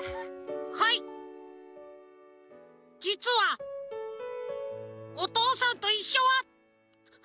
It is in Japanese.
じつは「おとうさんといっしょ」はあダメだ！